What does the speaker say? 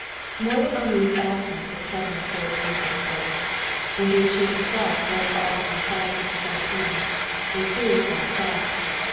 More than Henri's absence was troubling Sara Lee those days. Indeed she herself laid all her anxiety to one thing, a serious one at that.